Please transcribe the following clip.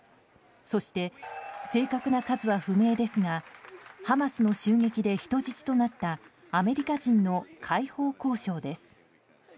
そして、正確な数は不明ですがハマスの襲撃で人質となったアメリカ人の解放交渉です。